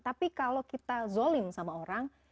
tapi kalau kita zolim sama orang